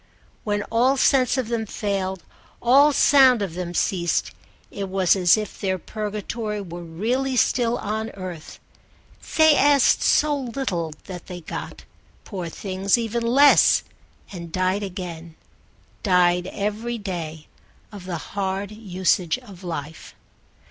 When all sense of them failed, all sound of them ceased, it was as if their purgatory were really still on earth: they asked so little that they got, poor things, even less, and died again, died every day, of the hard usage of life.